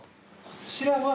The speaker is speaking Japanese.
こちらは。